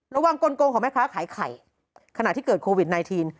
ระหว่างกลงกลงของแม่ค้าขายไข่ขณะที่เกิดโควิดไนทีน